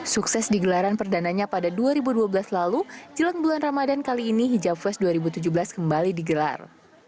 sukses di gelaran perdananya pada dua ribu dua belas lalu jelang bulan ramadan kali ini hijab fest dua ribu tujuh belas kembali digelar